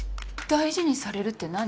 大事にされるって何？